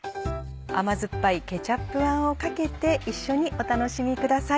甘酸っぱいケチャップあんをかけて一緒にお楽しみください。